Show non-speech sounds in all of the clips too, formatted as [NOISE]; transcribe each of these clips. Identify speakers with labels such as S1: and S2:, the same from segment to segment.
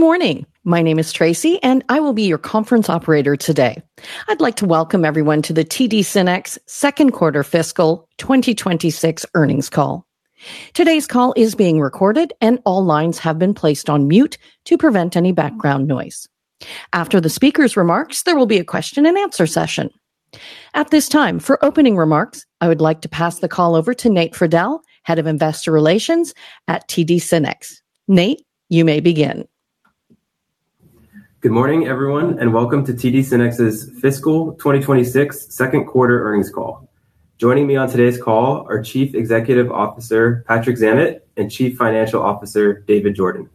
S1: Good morning. My name is Tracy, and I will be your conference operator today. I'd like to welcome everyone to the TD SYNNEX second quarter fiscal 2026 earnings call. Today's call is being recorded, and all lines have been placed on mute to prevent any background noise. After the speaker's remarks, there will be a question-and-answer session. At this time, for opening remarks, I would like to pass the call over to Nate Friedel, Head of Investor Relations at TD SYNNEX. Nate, you may begin.
S2: Good morning, everyone and welcome to TD SYNNEX's fiscal 2026 second quarter earnings call. Joining me on today's call are Chief Executive Officer, Patrick Zammit, and Chief Financial Officer, David Jordan.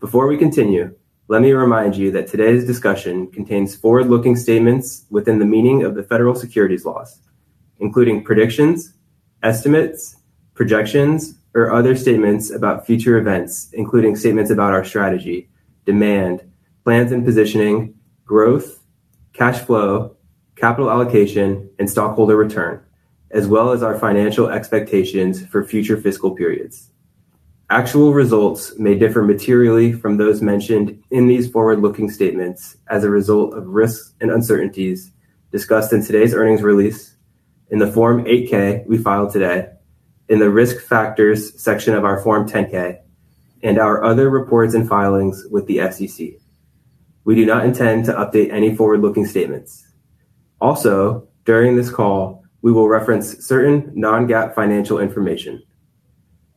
S2: Before we continue, let me remind you that today's discussion contains forward-looking statements within the meaning of the federal securities laws, including predictions, estimates, projections, or other statements about future events, including statements about our strategy, demand, plans and positioning, growth, cash flow, capital allocation, and stockholder return, as well as our financial expectations for future fiscal periods. Actual results may differ materially from those mentioned in these forward-looking statements as a result of risks and uncertainties discussed in today's earnings release in the Form 8-K we filed today, in the Risk Factors section of our Form 10-K, and our other reports and filings with the SEC. We do not intend to update any forward-looking statements. Also, during this call, we will reference certain non-GAAP financial information.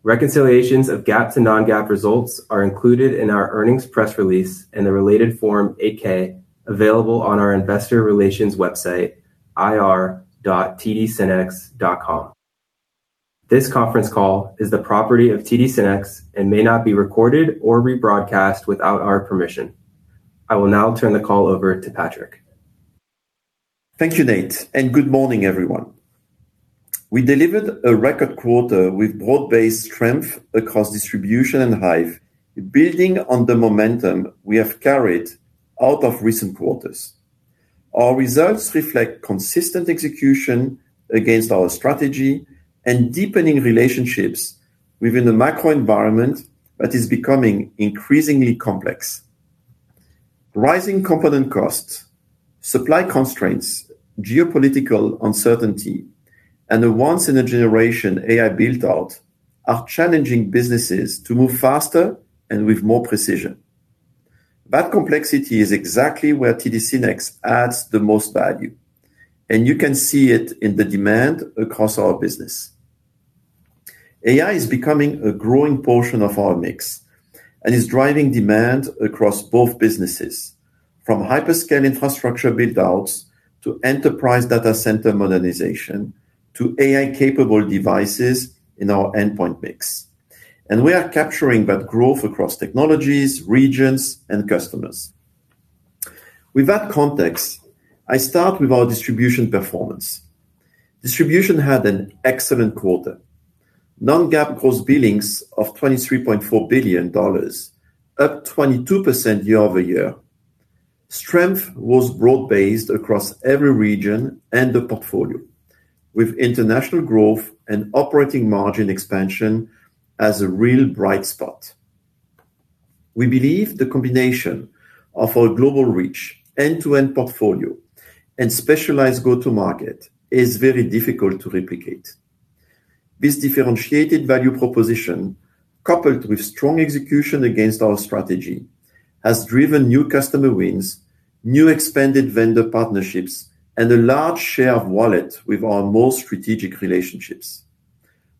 S2: Reconciliations of GAAP to non-GAAP results are included in our earnings press release and the related Form 8-K available on our investor relations website, ir.tdsynnex.com. This conference call is the property of TD SYNNEX and may not be recorded or rebroadcast without our permission. I will now turn the call over to Patrick.
S3: Thank you, Nate and good morning, everyone. We delivered a record quarter with broad-based strength across distribution and Hyve, building on the momentum we have carried out of recent quarters. Our results reflect consistent execution against our strategy and deepening relationships within the macro environment that is becoming increasingly complex. Rising component costs, supply constraints, geopolitical uncertainty, and a once-in-a-generation AI build-out are challenging businesses to move faster and with more precision. That complexity is exactly where TD SYNNEX adds the most value, and you can see it in the demand across our business. AI is becoming a growing portion of our mix and is driving demand across both businesses, from hyperscale infrastructure build-outs to enterprise data center modernization, to AI-capable devices in our endpoint mix, and we are capturing that growth across technologies, regions, and customers. With that context, I start with our distribution performance. Distribution had an excellent quarter. Non-GAAP gross billings of $23.4 billion, up 22% year-over-year. Strength was broad-based across every region and the portfolio, with international growth and operating margin expansion as a real bright spot. We believe the combination of our global reach, end-to-end portfolio, and specialized go-to-market is very difficult to replicate. This differentiated value proposition, coupled with strong execution against our strategy, has driven new customer wins, new expanded vendor partnerships, and a large share of wallet with our most strategic relationships,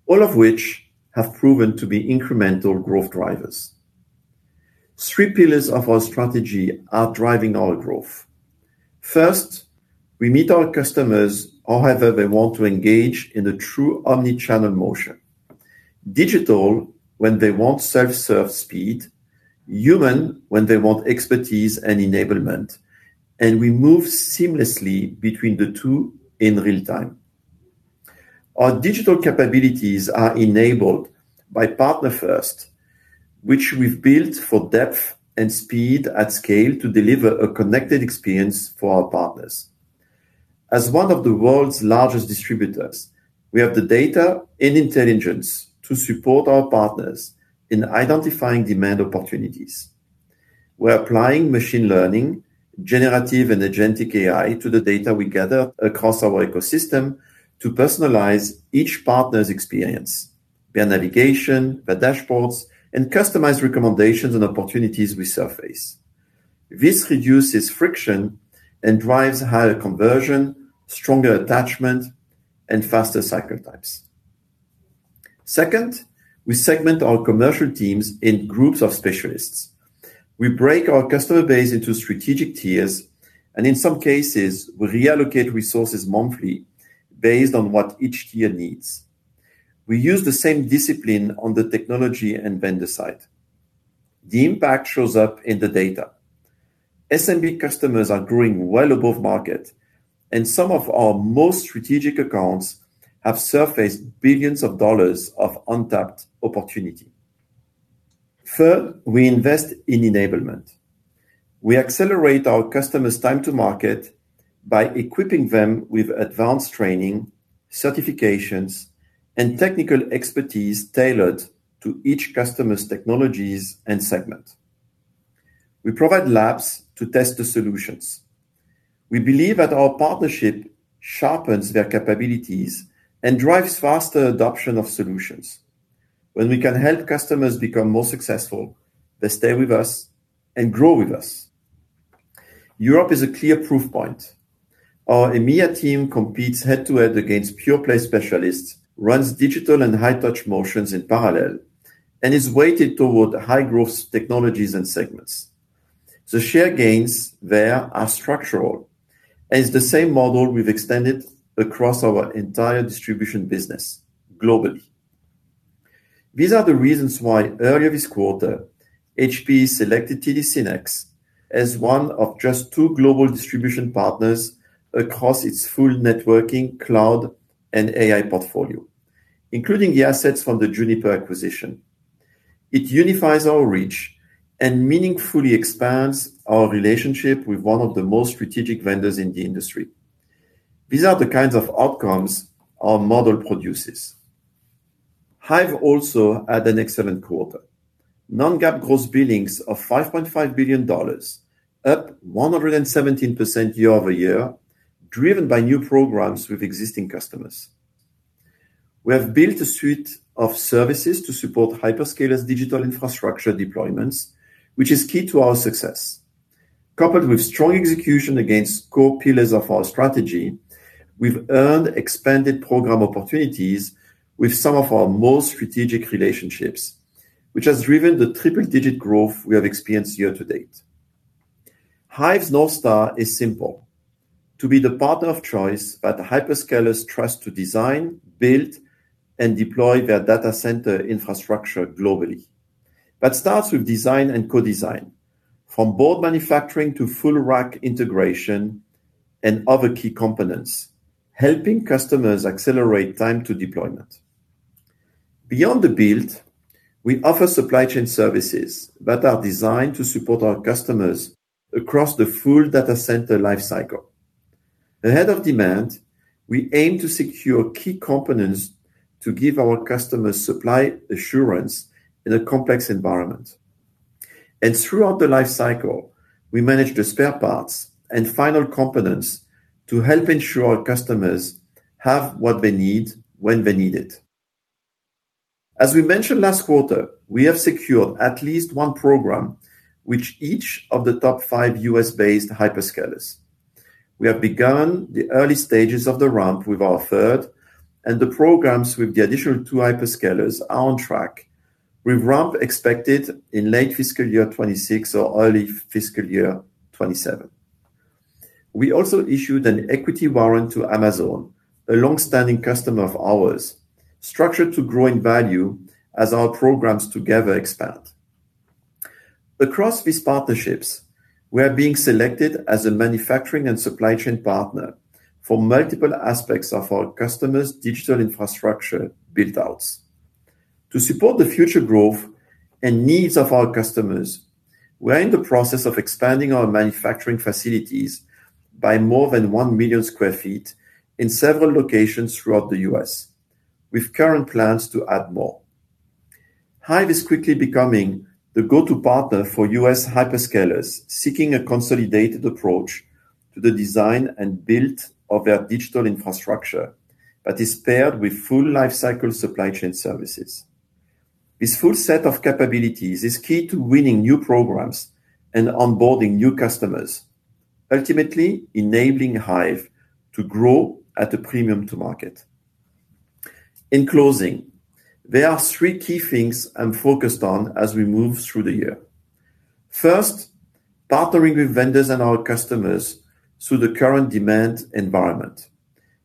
S3: all of which have proven to be incremental growth drivers. Three pillars of our strategy are driving our growth. First, we meet our customers however they want to engage in a true omnichannel motion. Digital when they want self-serve speed, human when they want expertise and enablement, and we move seamlessly between the two in real time. Our digital capabilities are enabled by PartnerFirst, which we've built for depth and speed at scale to deliver a connected experience for our partners. As one of the world's largest distributors, we have the data and intelligence to support our partners in identifying demand opportunities. We're applying machine learning, generative and agentic AI to the data we gather across our ecosystem to personalize each partner's experience, be it navigation by dashboards and customized recommendations and opportunities we surface. This reduces friction and drives higher conversion, stronger attachment, and faster cycle types. Second, we segment our commercial teams in groups of specialists. We break our customer base into strategic tiers, and in some cases, we reallocate resources monthly based on what each tier needs. We use the same discipline on the technology and vendor side. The impact shows up in the data. SMB customers are growing well above market, and some of our most strategic accounts have surfaced billions of dollars of untapped opportunity. Third, we invest in enablement. We accelerate our customers' time to market by equipping them with advanced training, certifications, and technical expertise tailored to each customer's technologies and segment. We provide labs to test the solutions. We believe that our partnership sharpens their capabilities and drives faster adoption of solutions. When we can help customers become more successful, they stay with us and grow with us. Europe is a clear proof point. Our EMEA team competes head-to-head against pure play specialists, runs digital and high-touch motions in parallel, and is weighted toward high-growth technologies and segments. The share gains there are structural, and it's the same model we've extended across our entire distribution business globally. These are the reasons why earlier this quarter, HP selected TD SYNNEX as one of just two global distribution partners across its full networking, cloud, and AI portfolio, including the assets from the Juniper acquisition. It unifies our reach and meaningfully expands our relationship with one of the most strategic vendors in the industry. These are the kinds of outcomes our model produces. Hyve also had an excellent quarter. Non-GAAP gross billings of $5.5 billion, up 117% year-over-year, driven by new programs with existing customers. We have built a suite of services to support hyperscalers' digital infrastructure deployments, which is key to our success. Coupled with strong execution against core pillars of our strategy, we've earned expanded program opportunities with some of our most strategic relationships, which has driven the triple-digit growth we have experienced year-to-date. Hyve's North Star is simple: to be the partner of choice that hyperscalers trust to design, build, and deploy their data center infrastructure globally. That starts with design and co-design, from board manufacturing to full rack integration and other key components, helping customers accelerate time to deployment. Beyond the build, we offer supply chain services that are designed to support our customers across the full data center lifecycle. Ahead of demand, we aim to secure key components to give our customers supply assurance in a complex environment, and throughout the lifecycle, we manage the spare parts and final components to help ensure our customers have what they need when they need it. As we mentioned last quarter, we have secured at least one program with each of the top five U.S.-based hyperscalers. We have begun the early stages of the ramp with our third, and the programs with the additional two hyperscalers are on track with ramp expected in late fiscal year 2026 or early fiscal year 2027. We also issued an equity warrant to Amazon, a longstanding customer of ours, structured to grow in value as our programs together expand. Across these partnerships, we are being selected as a manufacturing and supply chain partner for multiple aspects of our customers' digital infrastructure build-outs. To support the future growth and needs of our customers, we're in the process of expanding our manufacturing facilities by more than 1 million sq ft in several locations throughout the U.S., with current plans to add more. Hyve is quickly becoming the go-to partner for U.S. hyperscalers seeking a consolidated approach to the design and build of their digital infrastructure that is paired with full lifecycle supply chain services. This full set of capabilities is key to winning new programs and onboarding new customers, ultimately enabling Hyve to grow at a premium to market. In closing, there are three key things I'm focused on as we move through the year. First, partnering with vendors and our customers through the current demand environment.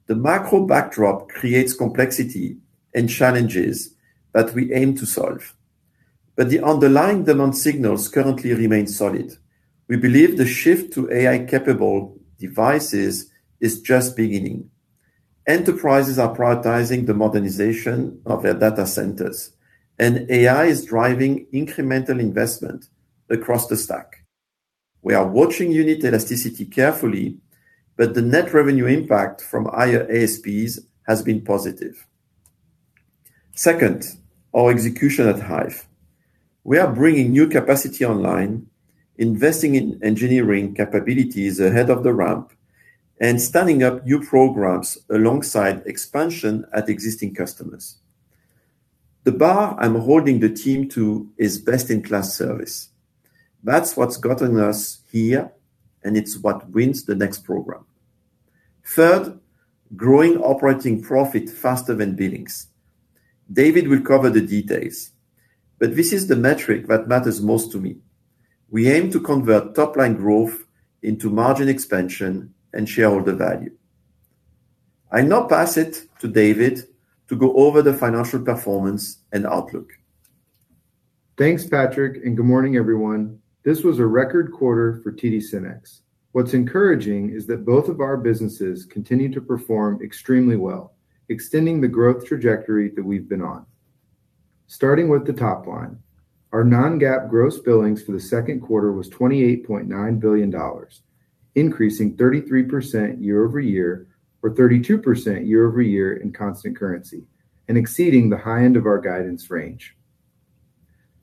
S3: The macro backdrop creates complexity and challenges that we aim to solve, but the underlying demand signals currently remain solid. We believe the shift to AI-capable devices is just beginning. Enterprises are prioritizing the modernization of their data centers, and AI is driving incremental investment across the stack. We are watching unit elasticity carefully, but the net revenue impact from higher ASPs has been positive. Second, our execution at Hyve. We are bringing new capacity online, investing in engineering capabilities ahead of the ramp, and standing up new programs alongside expansion at existing customers. The bar I'm holding the team to is best-in-class service. That's what's gotten us here, and it's what wins the next program. Third, growing operating profit faster than billings. David will cover the details, but this is the metric that matters most to me. We aim to convert top-line growth into margin expansion and shareholder value. I now pass it to David to go over the financial performance and outlook.
S4: Thanks, Patrick, and good morning, everyone. This was a record quarter for TD SYNNEX. What's encouraging is that both of our businesses continue to perform extremely well, extending the growth trajectory that we've been on. Starting with the top line, our non-GAAP gross billings for the second quarter was $28.9 billion, increasing 33% year-over-year or 32% year-over-year in constant currency, and exceeding the high end of our guidance range.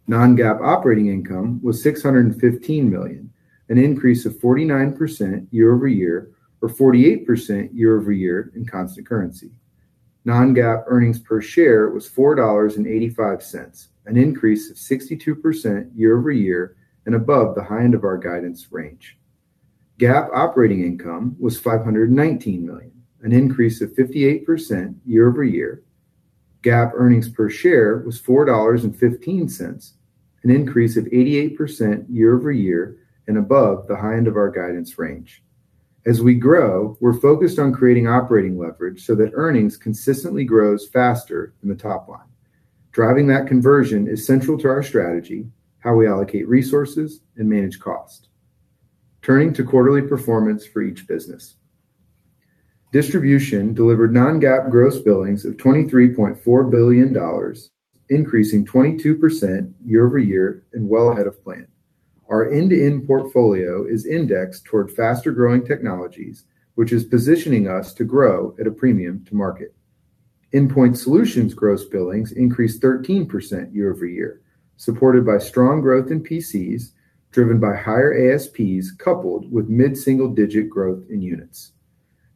S4: Non-GAAP operating income was $615 million, an increase of 49% year-over-year or 48% year-over-year in constant currency. Non-GAAP earnings per share was $4.85, an increase of 62% year-over-year and above the high end of our guidance range. GAAP operating income was $519 million, an increase of 58% year-over-year. GAAP earnings per share was $4.15, an increase of 88% year-over-year and above the high end of our guidance range. As we grow, we're focused on creating operating leverage so that earnings consistently grows faster than the top line. Driving that conversion is central to our strategy, how we allocate resources, and manage cost. Turning to quarterly performance for each business. Distribution delivered non-GAAP gross billings of $23.4 billion, increasing 22% year-over-year and well ahead of plan. Our end-to-end portfolio is indexed toward faster-growing technologies, which is positioning us to grow at a premium to market. Endpoint solutions gross billings increased 13% year-over-year, supported by strong growth in PCs, driven by higher ASPs, coupled with mid-single-digit growth in units.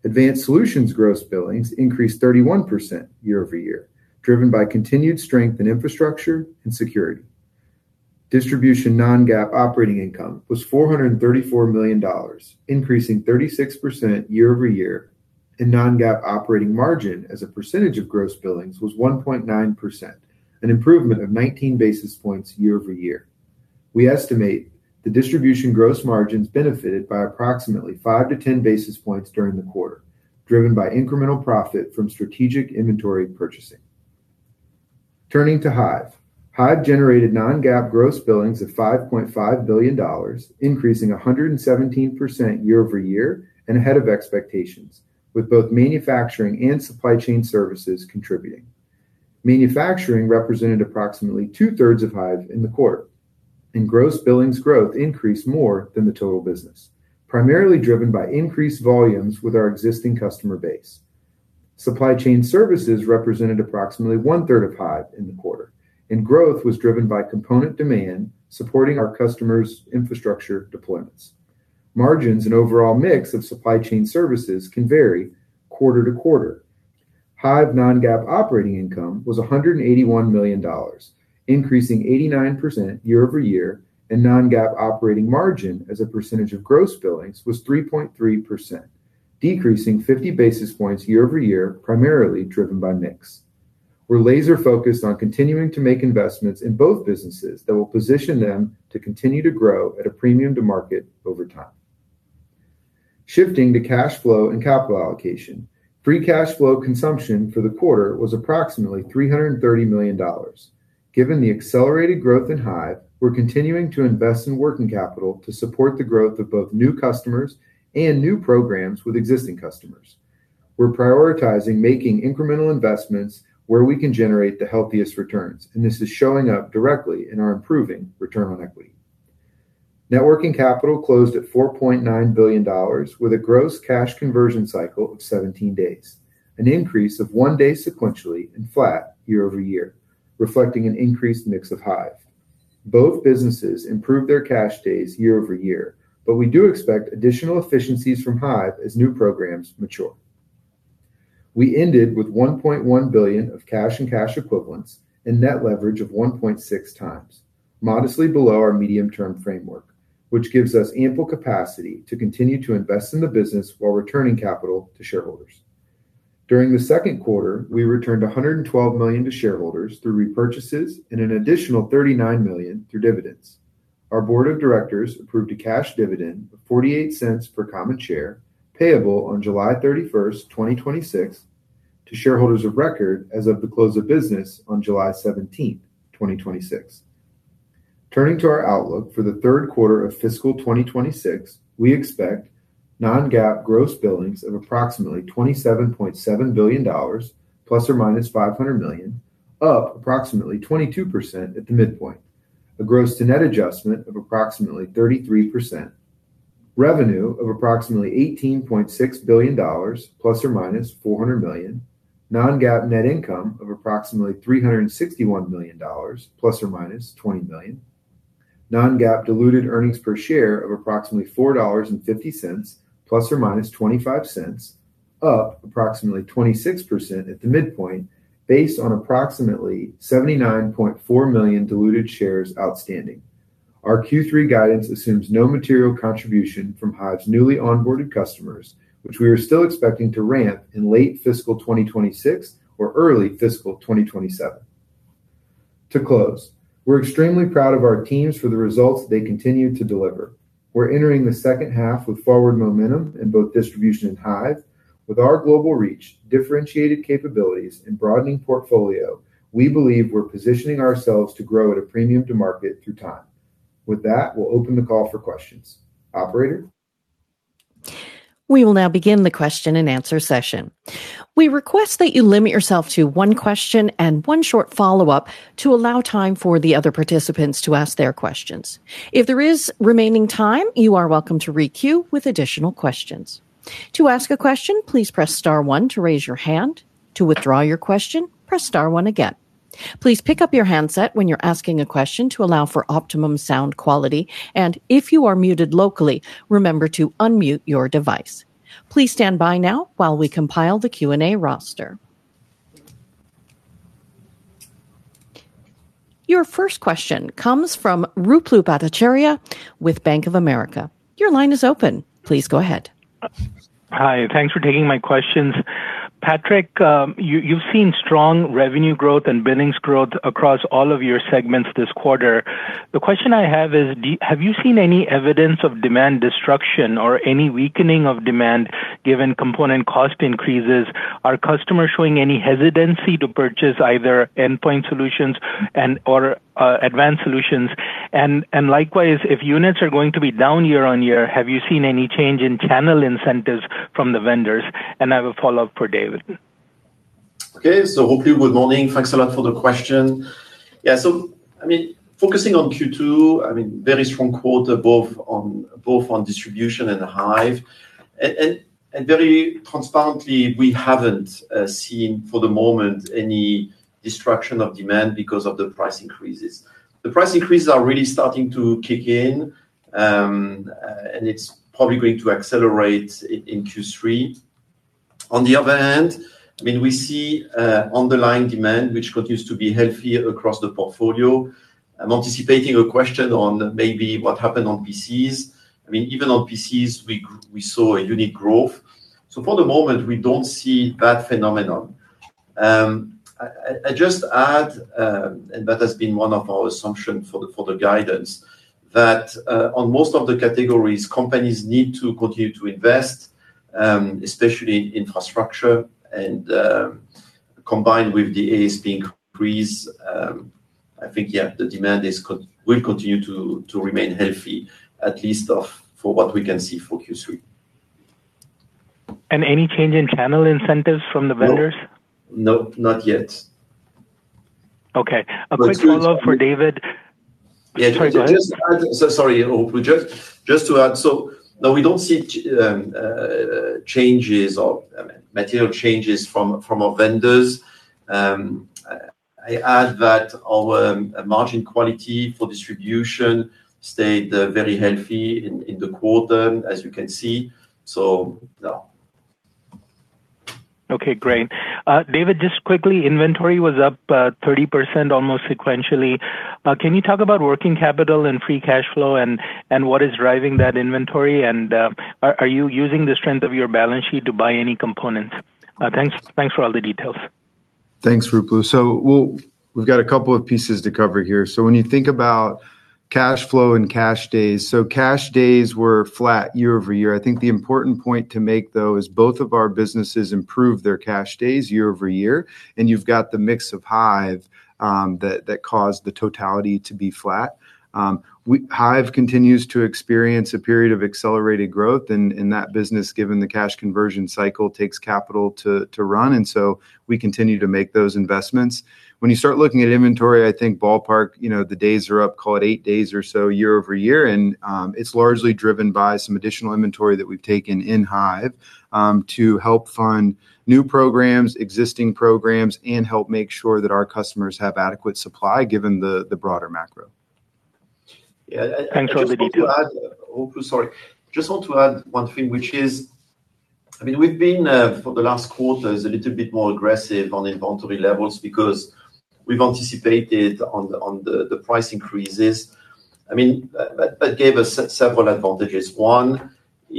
S4: Advanced solutions gross billings increased 31% year-over-year, driven by continued strength in infrastructure and security. Distribution non-GAAP operating income was $434 million, increasing 36% year-over-year, and non-GAAP operating margin as a percentage of gross billings was 1.9%, an improvement of 19 basis points year-over-year. We estimate the distribution gross margins benefited by approximately 5-10 basis points during the quarter, driven by incremental profit from strategic inventory purchasing. Turning to Hyve. Hyve generated non-GAAP gross billings of $5.5 billion, increasing 117% year-over-year and ahead of expectations, with both manufacturing and supply chain services contributing. Manufacturing represented approximately 2/3 of Hyve in the quarter, and gross billings growth increased more than the total business, primarily driven by increased volumes with our existing customer base. Supply chain services represented approximately 1/3 of Hyve in the quarter, and growth was driven by component demand supporting our customers' infrastructure deployments. Margins and overall mix of supply chain services can vary quarter-to-quarter. Hyve non-GAAP operating income was $181 million, increasing 89% year-over-year, and non-GAAP operating margin as a percentage of gross billings was 3.3%, decreasing 50 basis points year-over-year, primarily driven by mix. We're laser-focused on continuing to make investments in both businesses that will position them to continue to grow at a premium to market over time. Shifting to cash flow and capital allocation. Free cash flow consumption for the quarter was approximately $330 million. Given the accelerated growth in Hyve, we're continuing to invest in working capital to support the growth of both new customers and new programs with existing customers. We're prioritizing making incremental investments where we can generate the healthiest returns, and this is showing up directly in our improving return on equity. Net working capital closed at $4.9 billion with a gross cash conversion cycle of 17 days, an increase of one day sequentially and flat year-over-year, reflecting an increased mix of Hyve. Both businesses improved their cash days year-over-year, but we do expect additional efficiencies from Hyve as new programs mature. We ended with $1.1 billion of cash and cash equivalents and net leverage of 1.6x, modestly below our medium-term framework, which gives us ample capacity to continue to invest in the business while returning capital to shareholders. During the second quarter, we returned $112 million to shareholders through repurchases and an additional $39 million through dividends. Our Board of Directors approved a cash dividend of $0.48 per common share, payable on July 31st, 2026, to shareholders of record as of the close of business on July 17th, 2026. Turning to our outlook for the third quarter of fiscal 2026, we expect non-GAAP gross billings of approximately $27.7 billion ±$500 million, up approximately 22% at the midpoint; a gross to net adjustment of approximately 33%; revenue of approximately $18.6 billion ±$400 million; non-GAAP net income of approximately $361 million ±$20 million; non-GAAP diluted earnings per share of approximately $4.50 ±$0.25, up approximately 26% at the midpoint, based on approximately 79.4 million diluted shares outstanding. Our Q3 guidance assumes no material contribution from Hyve's newly onboarded customers, which we are still expecting to ramp in late fiscal 2026 or early fiscal 2027. To close, we're extremely proud of our teams for the results they continue to deliver. We're entering the second half with forward momentum in both distribution and Hyve. With our global reach, differentiated capabilities, and broadening portfolio, we believe we're positioning ourselves to grow at a premium to market through time. With that, we'll open the call for questions. Operator?
S1: We will now begin the question-and-answer session. We request that you limit yourself to one question and one short follow-up to allow time for the other participants to ask their questions. If there is remaining time, you are welcome to re-queue with additional questions. To ask a question, please press star one to raise your hand. To withdraw your question, press star one again. Please pick up your handset when you're asking a question to allow for optimum sound quality, and if you are muted locally, remember to unmute your device. Please stand by now while we compile the Q&A roster. Your first question comes from Ruplu Bhattacharya with Bank of America. Your line is open. Please go ahead.
S5: Hi, thanks for taking my questions. Patrick, you've seen strong revenue growth and billings growth across all of your segments this quarter. The question I have is, have you seen any evidence of demand destruction or any weakening of demand given component cost increases? Are customers showing any hesitancy to purchase either endpoint solutions and/or advanced solutions? Likewise, if units are going to be down year-on-year, have you seen any change in channel incentives from the vendors? And I have a follow-up for David.
S3: Ruplu, good morning. Thanks a lot for the question. So, I mean, focusing on Q2, I mean, very strong quarter both on distribution and Hyve. Very transparently, we haven't seen, for the moment, any destruction of demand because of the price increases. The price increases are really starting to kick in, and it's probably going to accelerate in Q3. On the other hand, we see underlying demand, which continues to be healthy across the portfolio. I'm anticipating a question on maybe what happened on PCs. Even on PCs, we saw unit growth, so for the moment, we don't see that phenomenon. I just add, that has been one of our assumptions for the guidance, that on most of the categories, companies need to continue to invest, especially infrastructure, and combined with the ASP increase, I think, the demand will continue to remain healthy, at least for what we can see for Q3.
S5: Any change in channel incentives from the vendors?
S3: No, not yet.
S5: Okay. A quick follow-up for David.
S3: Yeah. Just to add. Sorry, Ruplu. Just to add, so, no, we don't see changes, material changes from our vendors. I add that our margin quality for distribution stayed very healthy in the quarter, as you can see, so no.
S5: Okay, great. David, just quickly, inventory was up 30% almost sequentially. Can you talk about working capital and free cash flow and what is driving that inventory? Are you using the strength of your balance sheet to buy any components? Thanks for all the details.
S4: Thanks, Ruplu. We've got a couple of pieces to cover here. When you think about cash flow and cash days, so cash days were flat year-over-year. I think the important point to make, though, is both of our businesses improved their cash days year-over-year, and you've got the mix of Hyve that caused the totality to be flat. Hyve continues to experience a period of accelerated growth in that business, given the cash conversion cycle takes capital to run, and so we continue to make those investments. When you start looking at inventory, I think ballpark, the days are up, call it eight days or so year-over-year, and it's largely driven by some additional inventory that we've taken in Hyve to help fund new programs, existing programs, and help make sure that our customers have adequate supply given the broader macro.
S5: Yeah. Thanks for all the details.
S3: Ruplu, sorry. Just want to add one thing, which is, we've been, for the last quarters, a little bit more aggressive on inventory levels because we've anticipated on the price increases. I mean, that gave us several advantages. One,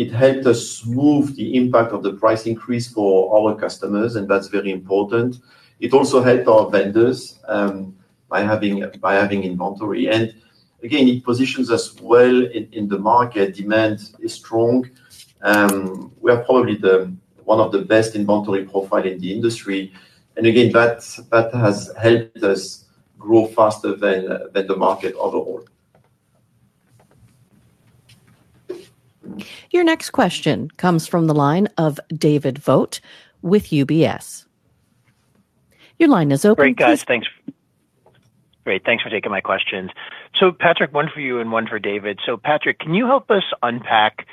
S3: it helped us smooth the impact of the price increase for our customers, and that's very important. It also helped our vendors by having inventory. Again, it positions us well in the market. Demand is strong. We are probably one of the best inventory profile in the industry. Again, that has helped us grow faster than the market overall.
S1: Your next question comes from the line of David Vogt with UBS. Your line is open.
S6: Great. Thanks for taking my questions. Patrick, one for you and one for David. Patrick, can you help us unpack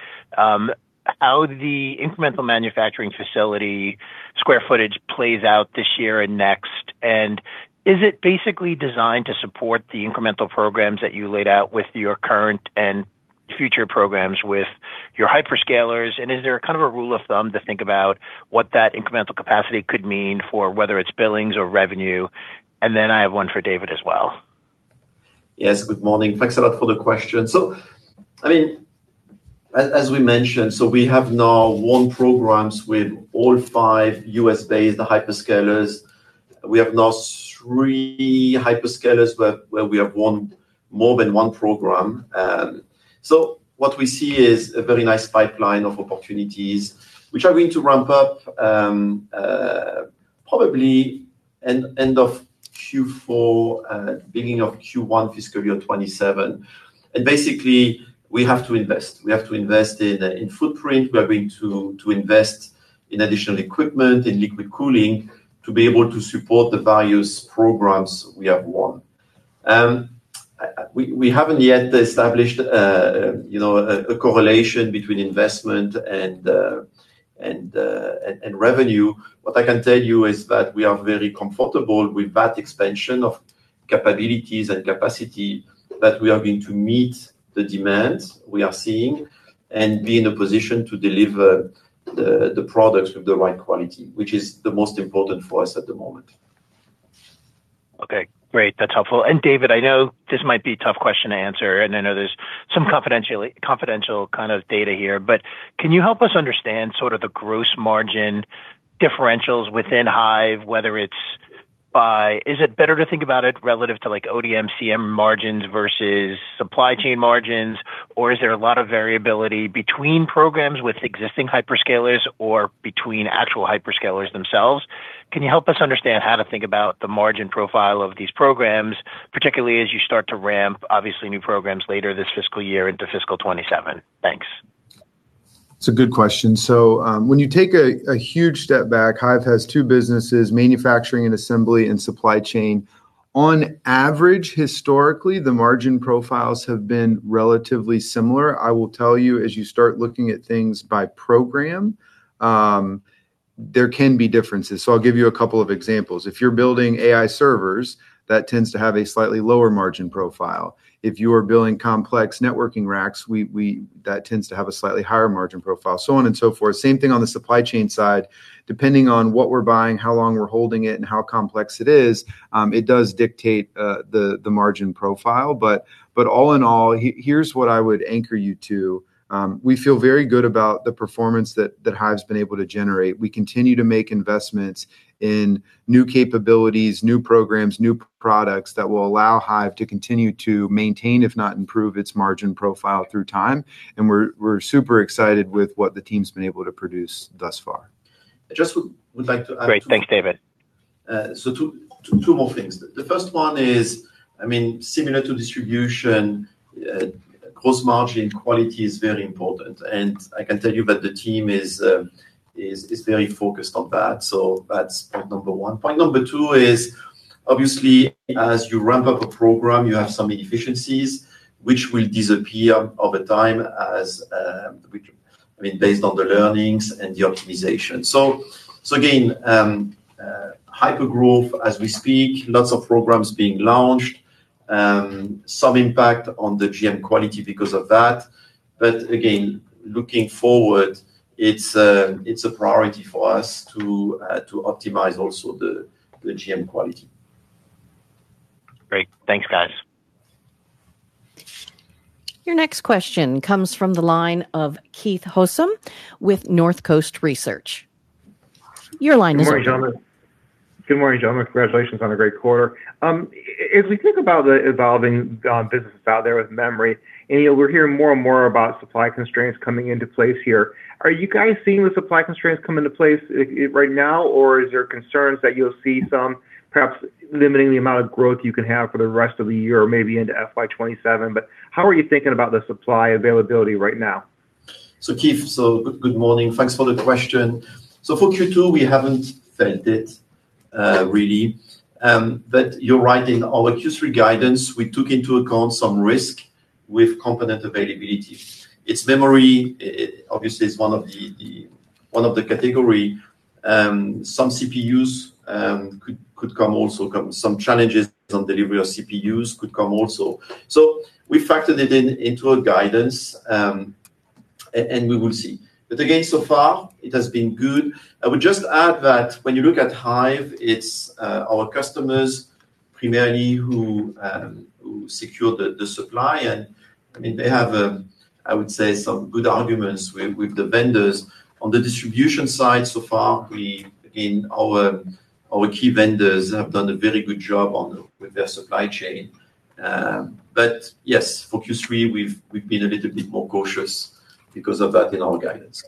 S6: how the incremental manufacturing facility square footage plays out this year and next? Is it basically designed to support the incremental programs that you laid out with your current and future programs with your hyperscalers? Is there a rule of thumb to think about what that incremental capacity could mean for whether it's billings or revenue? Then I have one for David as well.
S3: Yes, good morning. Thanks a lot for the question. As we mentioned, we have now won programs with all five U.S.-based hyperscalers. We have now three hyperscalers where we have won more than one program. What we see is a very nice pipeline of opportunities, which are going to ramp up probably end of Q4, beginning of Q1 fiscal year 2027. Basically, we have to invest. We have to invest in footprint. We are going to invest in additional equipment, in liquid cooling, to be able to support the various programs we have won. We haven't yet established a correlation between investment and revenue. What I can tell you is that we are very comfortable with that expansion of capabilities and capacity, that we are going to meet the demands we are seeing and be in a position to deliver the products with the right quality, which is the most important for us at the moment.
S6: Okay, great. That's helpful. David, I know this might be a tough question to answer, and I know there's some confidential kind of data here, but can you help us understand sort of the gross margin differentials within Hyve? Is it better to think about it relative to like ODM/CM margins versus supply chain margins, or is there a lot of variability between programs with existing hyperscalers or between actual hyperscalers themselves? Can you help us understand how to think about the margin profile of these programs, particularly as you start to ramp, obviously, new programs later this fiscal year into fiscal 2027? Thanks.
S4: It's a good question. When you take a huge step back, Hyve has two businesses, manufacturing and assembly, and supply chain. On average, historically, the margin profiles have been relatively similar. I will tell you, as you start looking at things by program, there can be differences. I'll give you a couple of examples. If you're building AI servers, that tends to have a slightly lower margin profile. If you are building complex networking racks, that tends to have a slightly higher margin profile, so on and so forth. Same thing on the supply chain side. Depending on what we're buying, how long we're holding it, and how complex it is, it does dictate the margin profile. But all in all, here's what I would anchor you to. We feel very good about the performance that Hyve's been able to generate. We continue to make investments in new capabilities, new programs, new products that will allow Hyve to continue to maintain, if not improve, its margin profile through time. We're super excited with what the team's been able to produce thus far.
S3: I just would like to add.
S6: Great. Thanks, David.
S3: Two more things. The first one is, I mean, similar to distribution, gross margin quality is very important, and I can tell you that the team is very focused on that. That's point number one. Point number two is, obviously, as you ramp up a program, you have some inefficiencies, which will disappear over time based on the learnings and the optimization. Again, hypergrowth as we speak, lots of programs being launched, some impact on the GM quality because of that. Again, looking forward, it's a priority for us to optimize also the GM quality.
S6: Great. Thanks, guys.
S1: Your next question comes from the line of Keith Housum with Northcoast Research. Your line is open.
S7: Good morning, gentlemen. Congratulations on a great quarter. As we think about the evolving business out there with memory, and we're hearing more and more about supply constraints coming into place here, are you guys seeing the supply constraints come into place right now, or is there concerns that you'll see some perhaps limiting the amount of growth you can have for the rest of the year or maybe into FY 2027? How are you thinking about the supply availability right now?
S3: Keith, good morning. Thanks for the question. For Q2, we haven't felt it really, but you're right, in our Q3 guidance, we took into account some risk with component availability. It's memory, obviously is one of the category. Some CPUs could come also, some challenges on delivery of CPUs could come also. We factored it into our guidance, and we will see. Again, so far it has been good. I would just add that when you look at Hyve, it's our customers primarily who secure the supply, and they have, I would say, some good arguments with the vendors. On the distribution side, so far, our key vendors have done a very good job with their supply chain. Yes, for Q3, we've been a little bit more cautious because of that in our guidance.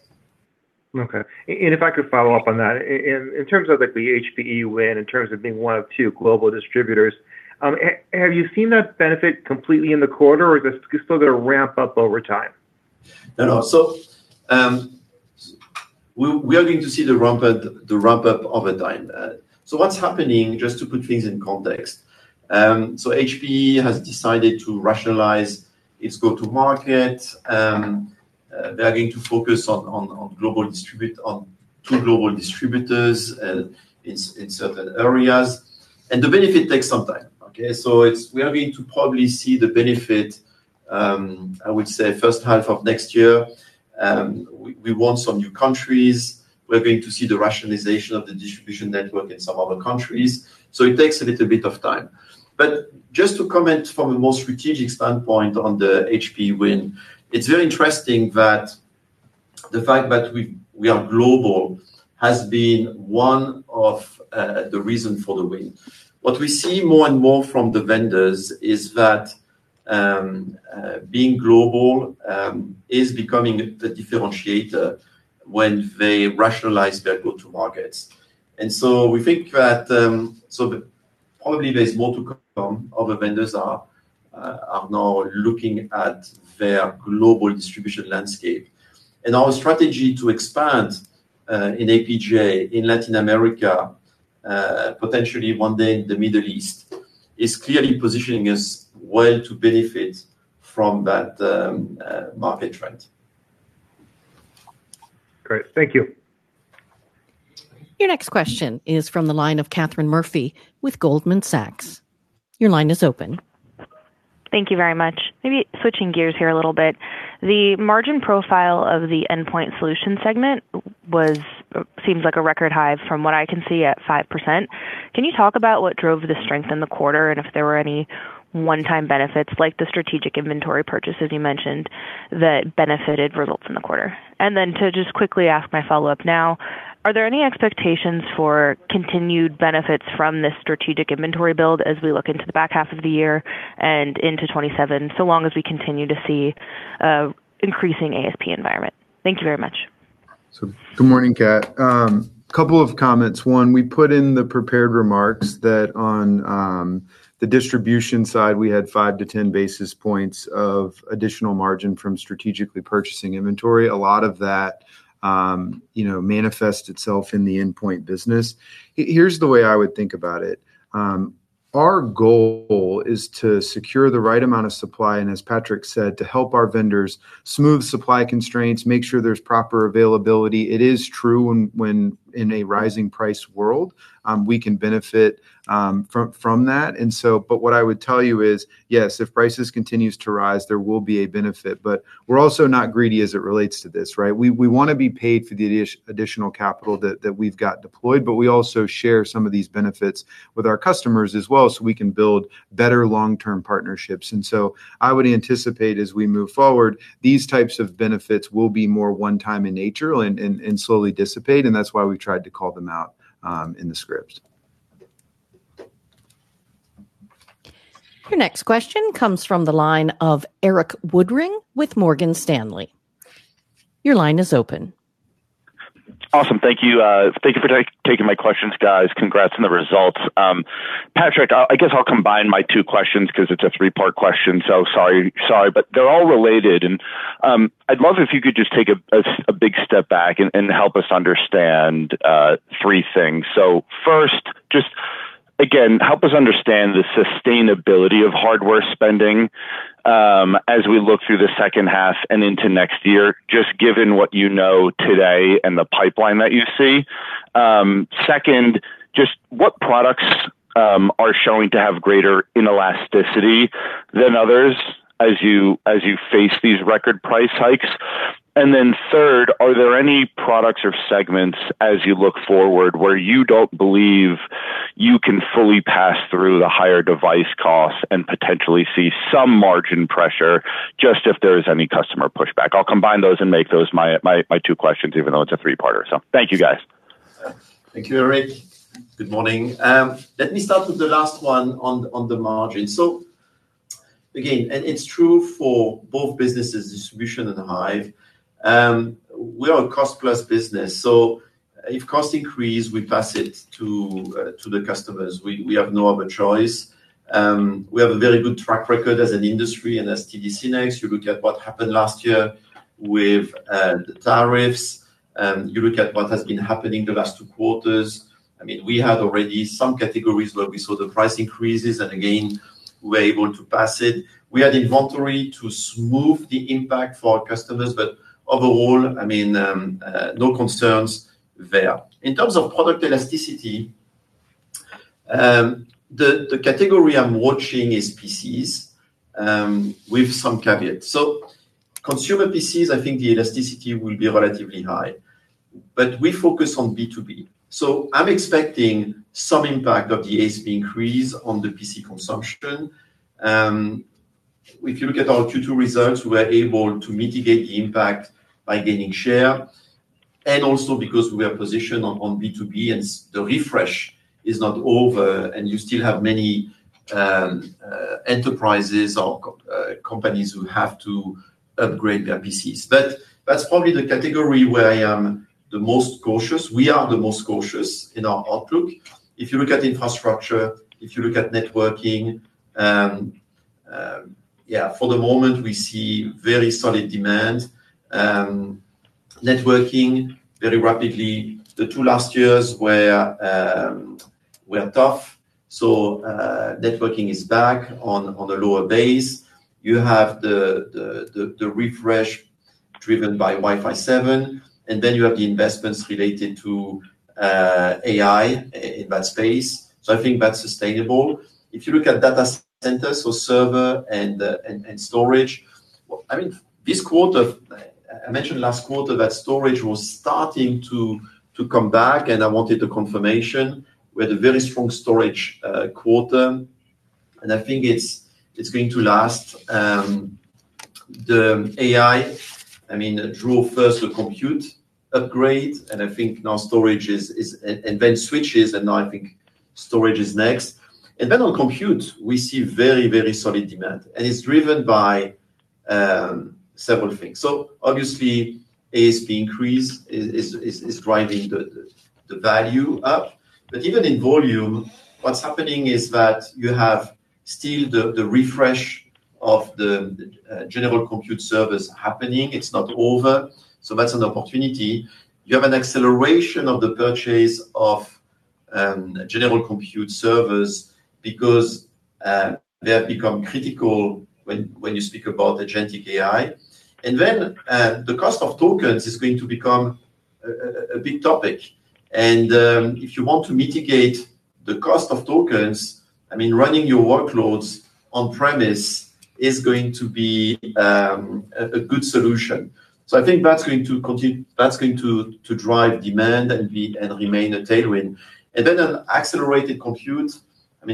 S7: Okay. If I could follow up on that. In terms of the HPE win, in terms of being one of two global distributors, have you seen that benefit completely in the quarter, or is this still going to ramp up over time?
S3: No, no. We are going to see the ramp up over time. What's happening, just to put things in context, so HPE has decided to rationalize its go-to-market. They are going to focus on two global distributors in certain areas, and the benefit takes some time. Okay? We are going to probably see the benefit, I would say, first half of next year. We won some new countries. We're going to see the rationalization of the distribution network in some other countries. It takes a little bit of time. Just to comment from a more strategic standpoint on the HPE win, it's very interesting that the fact that we are global has been one of the reasons for the win. What we see more and more from the vendors is that being global is becoming the differentiator when they rationalize their go-to markets. We think that probably there's more to come. Other vendors are now looking at their global distribution landscape. Our strategy to expand in APJ, in Latin America, potentially one day in the Middle East, is clearly positioning us well to benefit from that market trend.
S7: Great. Thank you.
S1: Your next question is from the line of Katherine Murphy with Goldman Sachs. Your line is open.
S8: Thank you very much. Maybe switching gears here a little bit, the margin profile of the endpoint solutions segment was, seems like a record high from what I can see at 5%. Can you talk about what drove the strength in the quarter, and if there were any one-time benefits like the strategic inventory purchases you mentioned that benefited results in the quarter? Then, to just quickly ask my follow-up now, are there any expectations for continued benefits from this strategic inventory build as we look into the back half of the year and into 2027, so long as we continue to see increasing ASP environment? Thank you very much.
S4: Good morning, Kat. Couple of comments. One, we put in the prepared remarks that on the distribution side, we had 5-10 basis points of additional margin from strategically purchasing inventory. A lot of that manifests itself in the endpoint business. Here's the way I would think about it. Our goal is to secure the right amount of supply, and as Patrick said, to help our vendors smooth supply constraints, make sure there's proper availability. It is true, when in a rising price world, we can benefit from that, and so what I would tell you is, yes, if prices continue to rise, there will be a benefit. But we're also not greedy as it relates to this, right? We want to be paid for the additional capital that we've got deployed, but we also share some of these benefits with our customers as well, so we can build better long-term partnerships. I would anticipate as we move forward, these types of benefits will be more one-time in nature and slowly dissipate, and that's why we tried to call them out in the script.
S1: Your next question comes from the line of Erik Woodring with Morgan Stanley. Your line is open.
S9: Awesome. Thank you. Thank you for taking my questions, guys. Congrats on the results. Patrick, I guess I'll combine my two questions because it's a three-part question, so sorry, but they're all related. I'd love if you could just take a big step back and help us understand three things. First, just again, help us understand the sustainability of hardware spending as we look through the second half and into next year, just given what you know today and the pipeline that you see. Second, just what products are showing to have greater inelasticity than others as you face these record price hikes. Third, are there any products or segments as you look forward where you don't believe you can fully pass through the higher device costs and potentially see some margin pressure, just if there's any customer pushback? I'll combine those and make those my two questions, even though it's a three-parter. Thank you, guys.
S3: Thank you, Erik. Good morning. Let me start with the last one on the margin. Again, and it's true for both businesses, distribution and Hyve, we are a cost-plus business, so if cost increase, we pass it to the customers. We have no other choice. We have a very good track record as an industry and as TD SYNNEX. You look at what happened last year with the tariffs, you look at what has been happening the last two quarters. We had already some categories where we saw the price increases, and again, we're able to pass it. We had inventory to smooth the impact for our customers, but overall, I mean, no concerns there. In terms of product elasticity, the category I'm watching is PCs, with some caveats. Consumer PCs, I think the elasticity will be relatively high, but we focus on B2B. So, I'm expecting some impact of the ASP increase on the PC consumption. If you look at our Q2 results, we were able to mitigate the impact by gaining share, and also because we are positioned on B2B and the refresh is not over, and you still have many enterprises or companies who have to upgrade their PCs. That's probably the category where I am the most cautious. We are the most cautious in our outlook. If you look at infrastructure, if you look at networking, yeah, for the moment, we see very solid demand, networking very rapidly. The two last years were tough. Networking is back on a lower base. You have the refresh driven by Wi-Fi 7, then you have the investments related to AI in that space. I think that's sustainable. If you look at data centers or server and storage, I mean, this quarter, I mentioned last quarter that storage was starting to come back, and I wanted a confirmation. We had a very strong storage quarter, and I think it's going to last. The AI, I mean, drove first the compute upgrade, and I think now storage, then switches, and I think storage is next. Then on compute, we see very, very solid demand, and it's driven by several things. Obviously, ASP increase is driving the value up. Even in volume, what's happening is that you have still the refresh of the general compute servers happening. It's not over, so that's an opportunity. You have an acceleration of the purchase of general compute servers because they have become critical when you speak about agentic AI. Then the cost of tokens is going to become a big topic. If you want to mitigate the cost of tokens, I mean, running your workloads on premise is going to be a good solution. I think that's going to drive demand and remain a tailwind. Then an accelerated compute.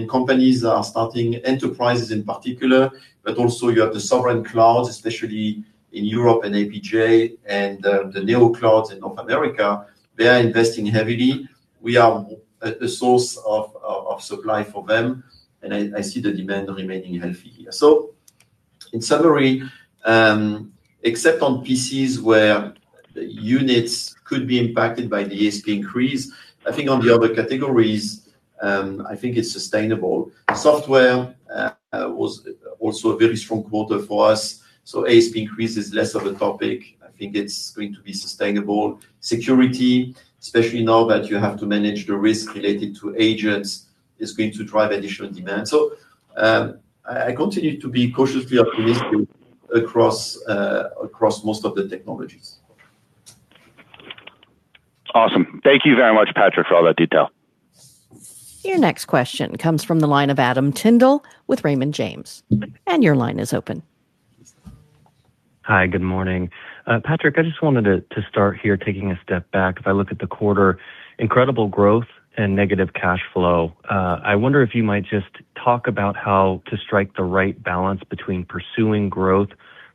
S3: Companies are starting, enterprises in particular, but also you have the sovereign clouds, especially in Europe and APJ and the neoclouds in North America. They are investing heavily. We are a source of supply for them, and I see the demand remaining healthy here. In summary, except on PCs where units could be impacted by the ASP increase, I think on the other categories, I think it's sustainable. Software was also a very strong quarter for us, so ASP increase is less of a topic. I think it's going to be sustainable. Security, especially now that you have to manage the risk related to agents, is going to drive additional demand. I continue to be cautiously optimistic across most of the technologies.
S9: Awesome. Thank you very much, Patrick, for all that detail.
S1: Your next question comes from the line of Adam Tindle with Raymond James. Your line is open.
S10: Hi, good morning. Patrick, I just wanted to start here taking a step back. If I look at the quarter, incredible growth and negative cash flow. I wonder if you might just talk about how to strike the right balance between pursuing growth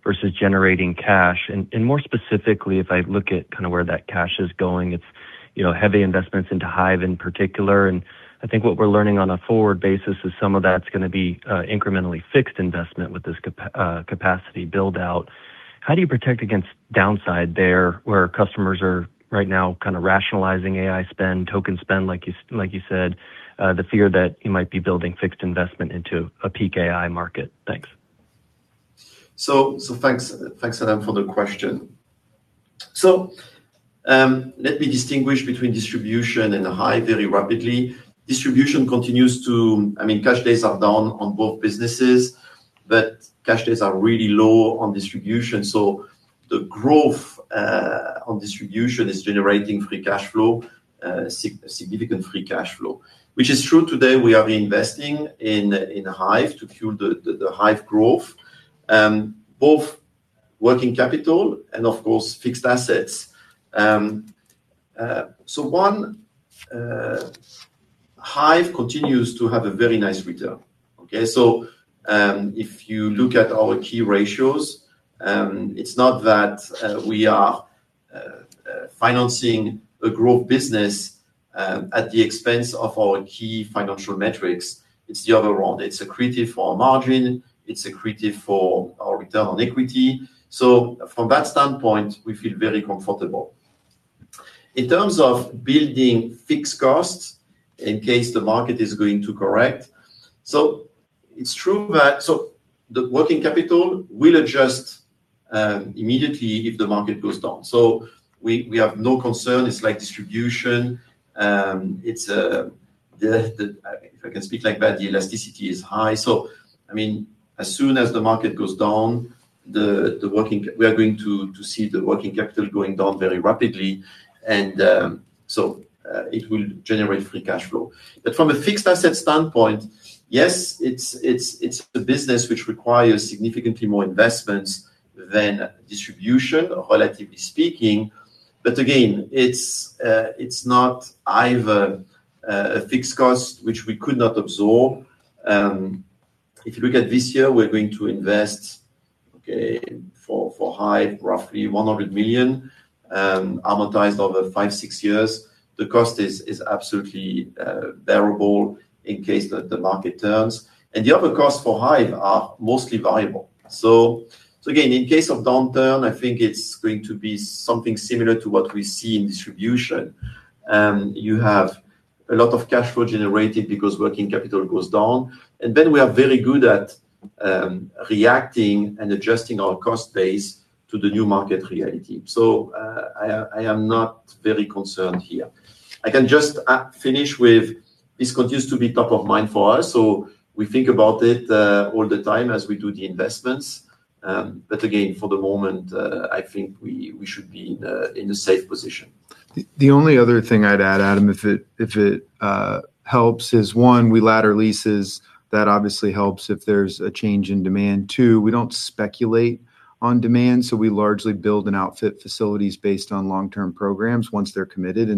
S10: versus generating cash. More specifically, if I look at where that cash is going, it's heavy investments into Hyve in particular, and I think what we're learning on a forward basis is some of that's going to be incrementally fixed investment with this capacity build-out. How do you protect against downside there, where customers are right now kind of rationalizing AI spend, token spend, like you said, the fear that you might be building fixed investment into a peak AI market? Thanks.
S3: Thanks, Adam, for the question. Let me distinguish between distribution and Hyve very rapidly. Distribution continues to, I mean, cash days are down on both businesses, but cash days are really low on distribution, so the growth on distribution is generating free cash flow, significant free cash flow. Which is true today, we are investing in Hyve to fuel the Hyve growth, both working capital and of course, fixed assets. One, Hyve continues to have a very nice return. If you look at our key ratios, it's not that we are financing a growth business at the expense of our key financial metrics, it's the other way around. It's accretive for our margin. It's accretive for our return on equity. From that standpoint, we feel very comfortable. In terms of building fixed costs in case the market is going to correct, it's true that the working capital will adjust immediately if the market goes down. We have no concern. It's like distribution. If I can speak like that, the elasticity is high. I mean, as soon as the market goes down, we are going to see the working capital going down very rapidly, and so it will generate free cash flow. From a fixed asset standpoint, yes, it's a business which requires significantly more investments than distribution, relatively speaking. Again, it's not either a fixed cost which we could not absorb. If you look at this year, we're going to invest for Hyve roughly $100 million, amortized over five, six years. The cost is absolutely bearable in case the market turns. The other costs for Hyve are mostly variable. Again, in case of downturn, I think it's going to be something similar to what we see in distribution. You have a lot of cash flow generated because working capital goes down, and we are very good at reacting and adjusting our cost base to the new market reality. I am not very concerned here. I can just finish with this continues to be top of mind for us, so we think about it all the time as we do the investments. Again, for the moment, I think we should be in a safe position.
S4: The only other thing I'd add, Adam, if it helps, is one, we ladder leases. That obviously helps if there's a change in demand. Two, we don't speculate on demand, so we largely build and outfit facilities based on long-term programs once they're committed.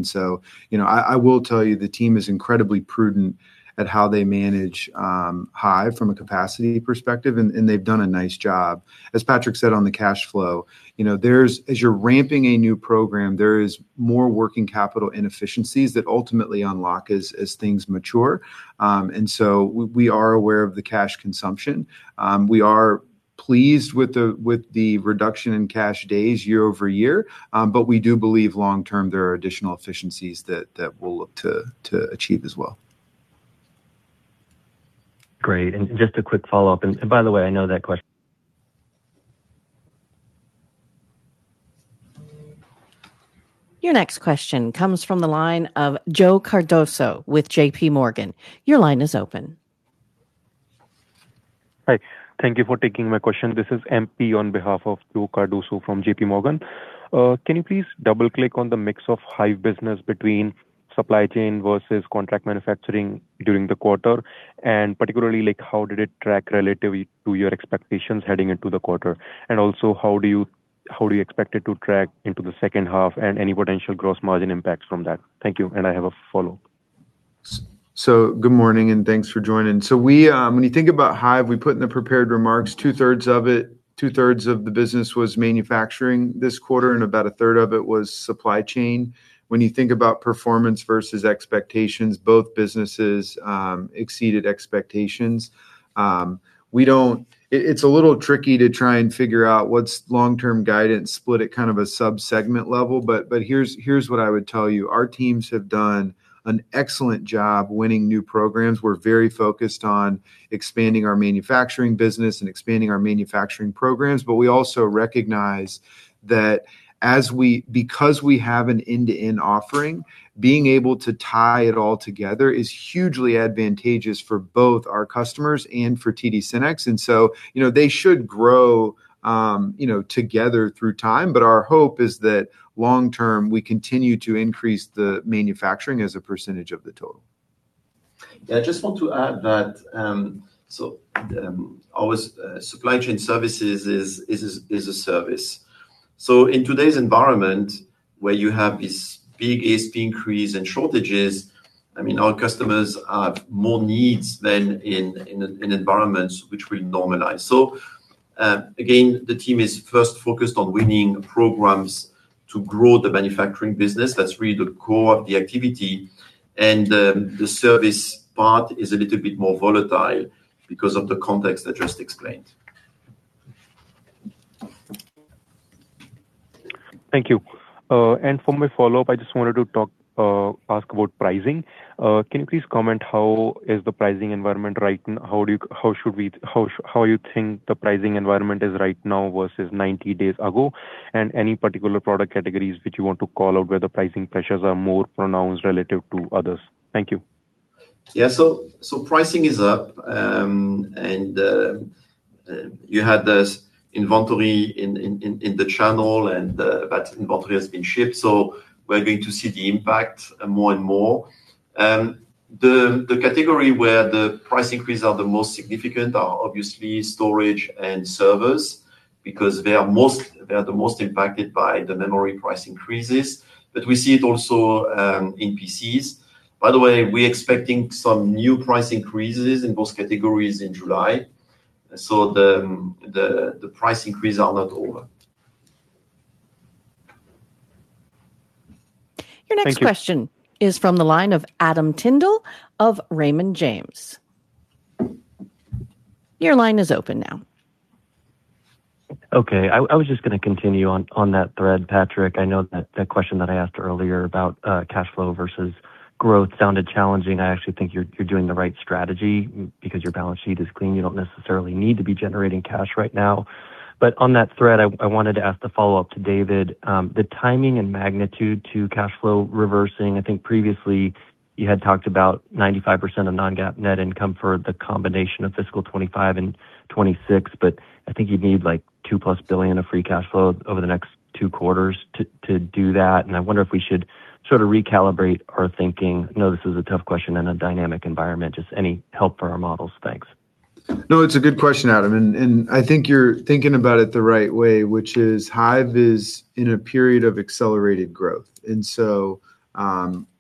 S4: I will tell you, the team is incredibly prudent at how they manage Hyve from a capacity perspective, and they've done a nice job. As Patrick said on the cash flow, there is, as you're ramping a new program, there is more working capital inefficiencies that ultimately unlock as things mature. We are aware of the cash consumption. We are pleased with the reduction in cash days year-over-year, but we do believe long term, there are additional efficiencies that we'll look to achieve as well.
S10: Great. Just a quick follow-up. By the way, I know that question. [AUDIO DISTORTION]
S1: Your next question comes from the line of Joe Cardoso with JPMorgan. Your line is open.
S11: Hi. Thank you for taking my question. This is [MP] on behalf of Joe Cardoso from JPMorgan. Can you please double-click on the mix of Hyve business between supply chain versus contract manufacturing during the quarter? Particularly, how did it track relative to your expectations heading into the quarter? Also, how do you expect it to track into the second half and any potential gross margin impacts from that? Thank you, and I have a follow.
S4: Good morning and thanks for joining. When you think about Hyve, we put in the prepared remarks, 2/3 of it, 2/3 of the business was manufacturing this quarter, and about 1/3 of it was supply chain. When you think about performance versus expectations, both businesses exceeded expectations. It's a little tricky to try and figure out what's long-term guidance split at kind of a sub-segment level, but here's what I would tell you. Our teams have done an excellent job winning new programs. We're very focused on expanding our manufacturing business and expanding our manufacturing programs, but we also recognize that because we have an end-to-end offering, being able to tie it all together is hugely advantageous for both our customers and for TD SYNNEX. They should grow together through time, but our hope is that long term, we continue to increase the manufacturing as a percentage of the total.
S3: I just want to add that our supply chain services is a service. In today's environment where you have this big ASP increase and shortages, our customers have more needs than in environments which will normalize. Again, the team is first focused on winning programs to grow the manufacturing business. That's really the core of the activity. The service part is a little bit more volatile because of the context I just explained.
S11: Thank you. For my follow-up, I just wanted to ask about pricing. Can you please comment how is the pricing environment right now? How you think the pricing environment is right now versus 90 days ago, and any particular product categories which you want to call out where the pricing pressures are more pronounced relative to others? Thank you.
S3: Pricing is up. You had this inventory in the channel, and that inventory has been shipped, so we're going to see the impact more and more. The category where the price increase are the most significant are obviously storage and servers, because they are the most impacted by the memory price increases. But we see it also in PCs. By the way, we're expecting some new price increases in both categories in July. The price increase are not over.
S11: Thank you.
S1: Your next question is from the line of Adam Tindle of Raymond James. Your line is open now.
S10: Okay, I was just going to continue on that thread, Patrick. I know that that question that I asked earlier about cash flow versus growth sounded challenging. I actually think you're doing the right strategy because your balance sheet is clean. You don't necessarily need to be generating cash right now. On that thread, I wanted to ask the follow-up to David, the timing and magnitude to cash flow reversing. I think previously you had talked about 95% of non-GAAP net income for the combination of fiscal year 2025 and 2026, but I think you'd need, like, $2 billion+ of free cash flow over the next two quarters to do that, and I wonder if we should sort of recalibrate our thinking. I know this is a tough question in a dynamic environment. Just any help for our models. Thanks.
S4: No, it's a good question, Adam. I think you're thinking about it the right way, which is Hyve is in a period of accelerated growth.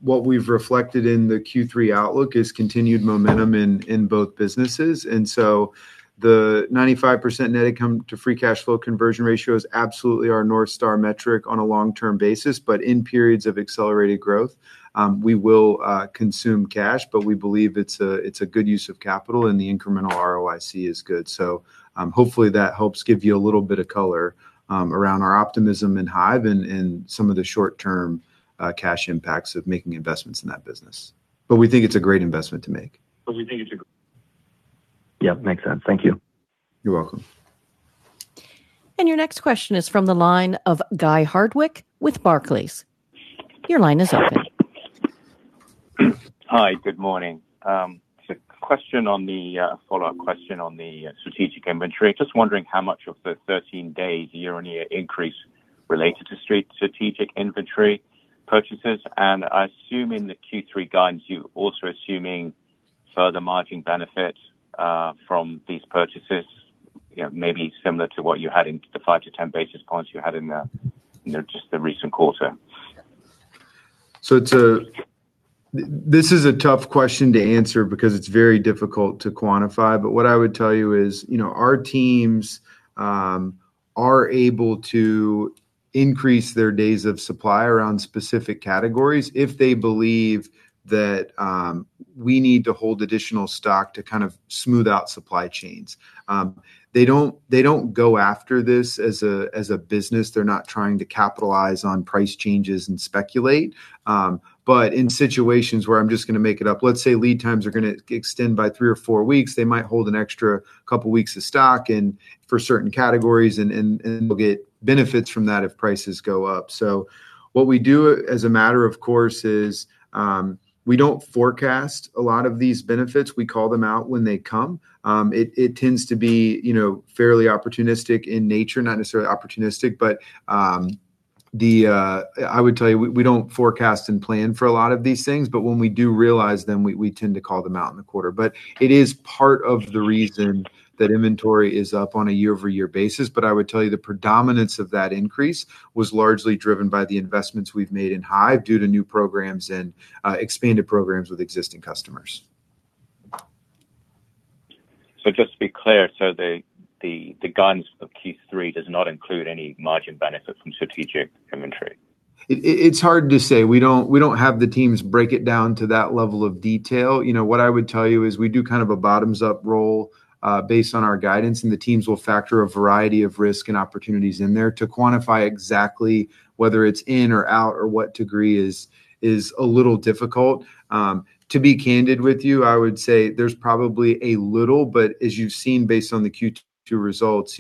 S4: What we've reflected in the Q3 outlook is continued momentum in both businesses. The 95% net income to free cash flow conversion ratio is absolutely our North Star metric on a long-term basis, but in periods of accelerated growth, we will consume cash. We believe it's a good use of capital, and the incremental ROIC is good. Hopefully, that helps give you a little bit of color around our optimism in Hyve and some of the short-term cash impacts of making investments in that business. But we think it's a great investment to make.
S10: Okay, thank you. Yeah, makes sense. Thank you.
S4: You're welcome.
S1: Your next question is from the line of Guy Hardwick with Barclays. Your line is open.
S12: Hi. Good morning. A follow-up question on the strategic inventory. Just wondering how much of the 13-day year-on-year increase related to strategic inventory purchases. I assume in the Q3 guidance, you're also assuming further margin benefits from these purchases, maybe similar to what you had in the 5-10 basis points you had in just the recent quarter.
S4: This is a tough question to answer because it's very difficult to quantify, but what I would tell you is our teams are able to increase their days of supply around specific categories if they believe that we need to hold additional stock to kind of smooth out supply chains. They don't go after this as a business. They're not trying to capitalize on price changes and speculate, but in situations where, I'm just going to make it up, let's say lead times are going to extend by three or four weeks, they might hold an extra couple of weeks of stock and for certain categories, and they'll get benefits from that if prices go up. What we do as a matter of course, is, we don't forecast a lot of these benefits. We call them out when they come. It tends to be fairly opportunistic in nature. Not necessarily opportunistic, but I would tell you, we don't forecast and plan for a lot of these things, but when we do realize them, we tend to call them out in the quarter. It is part of the reason that inventory is up on a year-over-year basis. I would tell you the predominance of that increase was largely driven by the investments we've made in Hyve due to new programs and expanded programs with existing customers.
S12: Just to be clear, so the guidance of Q3 does not include any margin benefits from strategic inventory?
S4: It's hard to say. We don't have the teams break it down to that level of detail. What I would tell you is we do a bottoms-up roll based on our guidance, and the teams will factor a variety of risk and opportunities in there to quantify exactly whether it's in or out or what degree is a little difficult. To be candid with you, I would say there's probably a little, but as you've seen based on the Q2 results,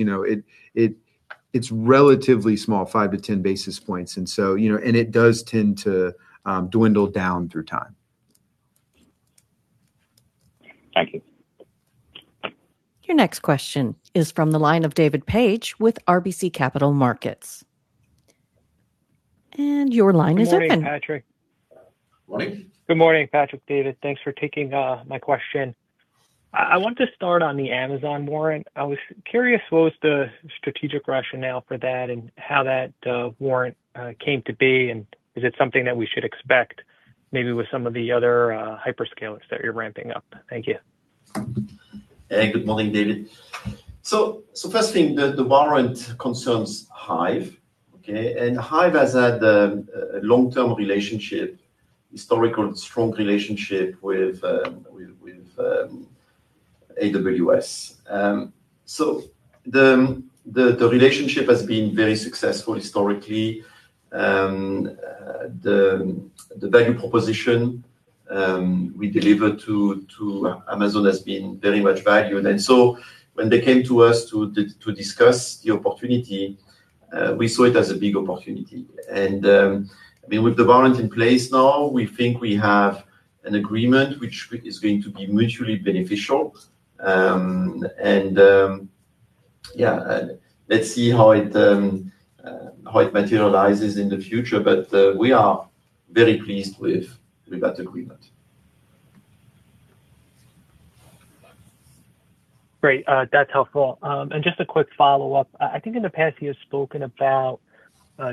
S4: it's relatively small, 5-10 basis points. It does tend to dwindle down through time
S12: Thank you.
S1: Your next question is from the line of David Paige with RBC Capital Markets. Your line is open.
S13: Good morning, Patrick.
S3: Morning.
S13: Good morning, Patrick, David. Thanks for taking my question. I want to start on the Amazon warrant. I was curious what was the strategic rationale for that and how that warrant came to be, and is it something that we should expect maybe with some of the other hyperscalers that you're ramping up? Thank you.
S3: Hey, good morning, David. First thing, the warrant concerns Hyve. Okay. Hyve has had a long-term relationship, historical and strong relationship with AWS. The relationship has been very successful historically. The value proposition we deliver to Amazon has been very much valued. When they came to us to discuss the opportunity, we saw it as a big opportunity. With the warrant in place now, we think we have an agreement which is going to be mutually beneficial. Yeah. Let's see how it materializes in the future, but we are very pleased with that agreement.
S13: Great. That's helpful. Just a quick follow-up. I think in the past you have spoken about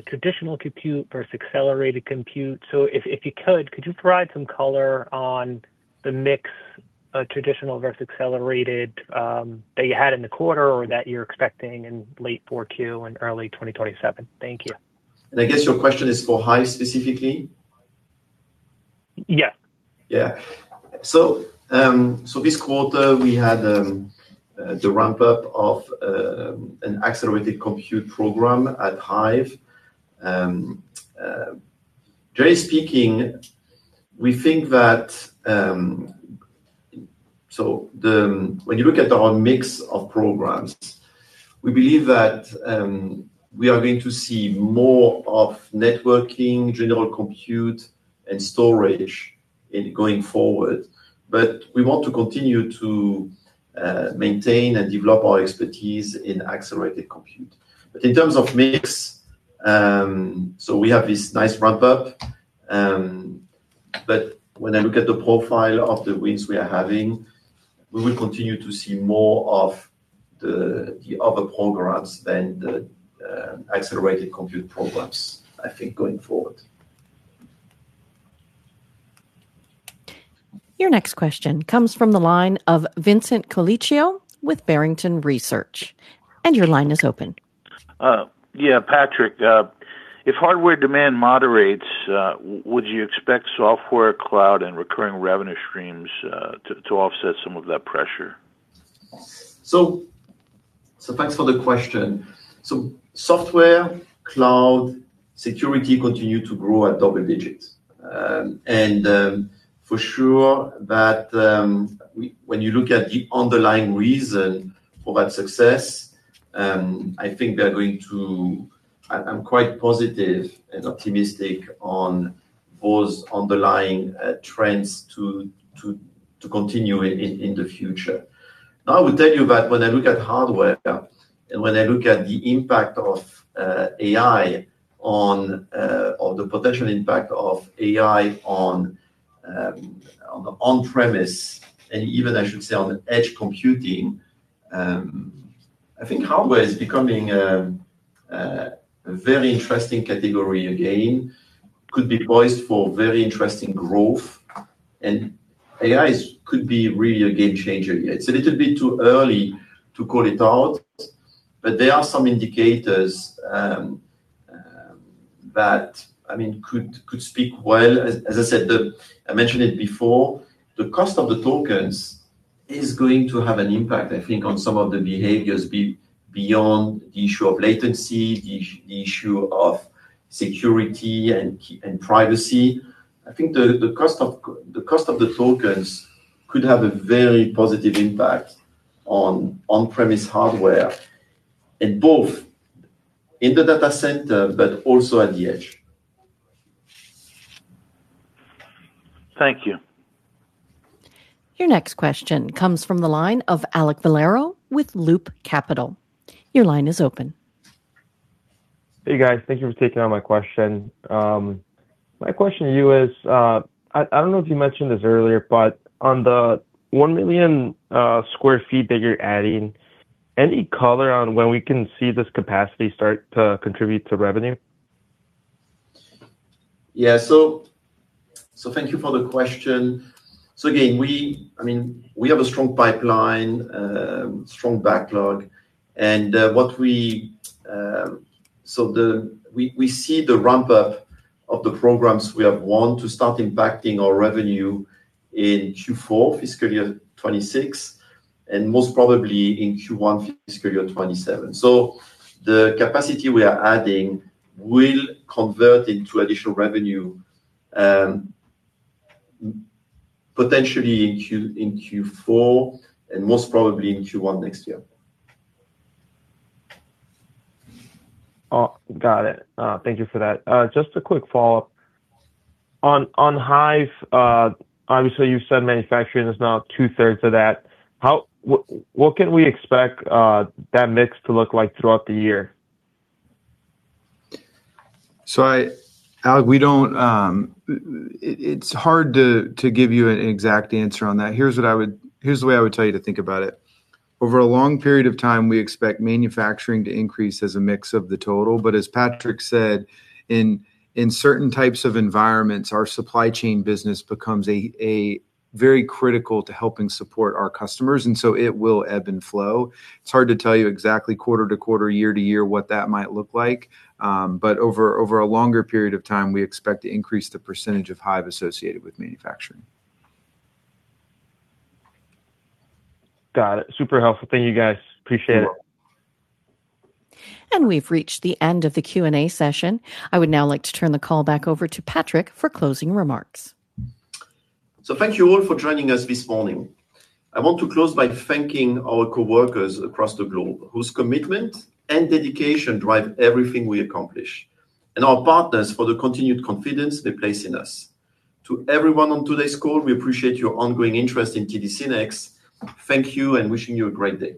S13: traditional compute versus accelerated compute. If you could you provide some color on the mix of traditional versus accelerated that you had in the quarter or that you're expecting in late 4Q and early 2027? Thank you.
S3: I guess your question is for Hyve specifically?
S13: Yeah.
S3: Yeah. This quarter we had the ramp-up of an accelerated compute program at Hyve. Generally speaking, we think that, when you look at our mix of programs, we believe that we are going to see more of networking, general compute, and storage going forward, but we want to continue to maintain and develop our expertise in accelerated compute. In terms of mix, so we have this nice ramp-up, but when I look at the profile of the wins we are having, we will continue to see more of the other programs than the accelerated compute programs, I think, going forward.
S1: Your next question comes from the line of Vincent Colicchio with Barrington Research. Your line is open.
S14: Yeah. Patrick, if hardware demand moderates, would you expect software, cloud, and recurring revenue streams to offset some of that pressure?
S3: Thanks for the question. Software, cloud, security continue to grow at double digits. For sure that, when you look at the underlying reason for that success, I'm quite positive and optimistic on those underlying trends to continue in the future. I will tell you that when I look at hardware and when I look at the impact of AI, or the potential impact of AI on on-premise and even, I should say, on edge computing, I think hardware is becoming a very interesting category again. It could be poised for very interesting growth. AI could be really a game changer here. It's a little bit too early to call it out, but there are some indicators that could speak well. As I said, I mentioned it before, the cost of the tokens is going to have an impact, I think, on some of the behaviors beyond the issue of latency, the issue of security and privacy. I think the cost of the tokens could have a very positive impact on on-premise hardware, and both in the data center, but also at the edge.
S14: Thank you.
S1: Your next question comes from the line of Alek Valero with Loop Capital. Your line is open.
S15: Hey, guys. Thank you for taking all my question. My question to you is, I don't know if you mentioned this earlier, but on the 1 million sq ft that you're adding, any color on when we can see this capacity start to contribute to revenue?
S3: Yeah. Thank you for the question. Again, I mean, we have a strong pipeline, strong backlog, and what we, sort of, we see the ramp-up of the programs we have won to start impacting our revenue in Q4 fiscal year 2026, and most probably in Q1 fiscal year 2027. The capacity we are adding will convert into additional revenue, potentially in Q4 and most probably in Q1 next year.
S15: Oh, got it. Thank you for that. Just a quick follow-up. On Hyve, obviously, you said manufacturing is now 2/3 of that. What can we expect that mix to look like throughout the year?
S4: Alek, it's hard to give you an exact answer on that. Here's the way I would tell you to think about it. Over a long period of time, we expect manufacturing to increase as a mix of the total, but as Patrick said, in certain types of environments, our supply chain business becomes very critical to helping support our customers, and so it will ebb and flow. It's hard to tell you exactly quarter-to-quarter, year-to-year what that might look like, but over a longer period of time, we expect to increase the percentage of Hyve associated with manufacturing.
S15: Got it. Super helpful. Thank you, guys. Appreciate it.
S1: We've reached the end of the Q&A session. I would now like to turn the call back over to Patrick for closing remarks.
S3: Thank you all for joining us this morning. I want to close by thanking our coworkers across the globe, whose commitment and dedication drive everything we accomplish, and our partners for the continued confidence they place in us. To everyone on today's call, we appreciate your ongoing interest in TD SYNNEX. Thank you and wishing you a great day.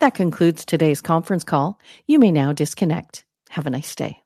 S1: That concludes today's conference call. You may now disconnect. Have a nice day.